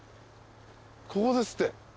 ここですって。